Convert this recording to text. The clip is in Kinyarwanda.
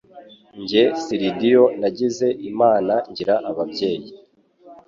njye siridiyo nagize Imana ngira ababyeyi